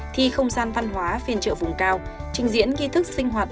thi không gian văn hóa phiên chợ vùng cao trình diễn nghi thức sinh hoạt